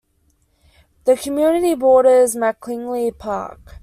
The community borders McKinley Park.